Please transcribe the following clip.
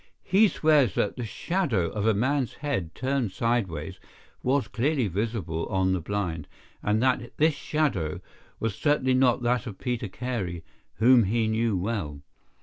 He swears that the shadow of a man's head turned sideways was clearly visible on the blind, and that this shadow was certainly not that of Peter Carey, whom he knew well.